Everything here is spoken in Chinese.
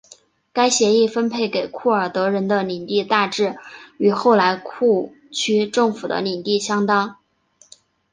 该协议分配给库尔德人的领地大致与后来库区政府的领地相当。